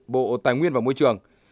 bộ tài nguyên và môi trường